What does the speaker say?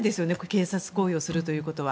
警察行為をするということは。